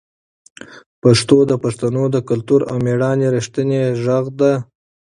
پښتو د پښتنو د کلتور او مېړانې رښتینې غږ ده.